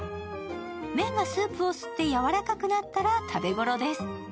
麺がスープを吸ってやわらかくなったら食べ頃です。